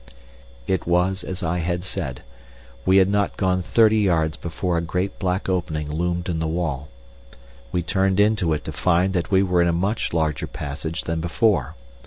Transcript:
It was as I had said. We had not gone thirty yards before a great black opening loomed in the wall. We turned into it to find that we were in a much larger passage than before.